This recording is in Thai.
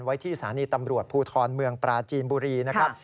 ไว้ที่สถานีตำรวจภูทรเมืองปราจีนบุรีนะครับ